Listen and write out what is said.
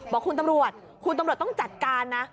บอกคุณตำรวจคุณตำรวจต้องจัดการนะ